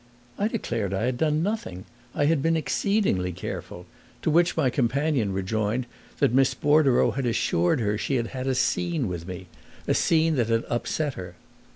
I declared I had done nothing I had been exceedingly careful; to which my companion rejoined that Miss Bordereau had assured her she had had a scene with me a scene that had upset her.